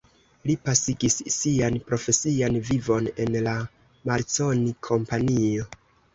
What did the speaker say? Li pasigis sian profesian vivon en la Marconi Kompanio.